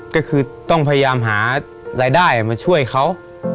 ก็คือต้องพยายามหารายได้มาช่วยเขา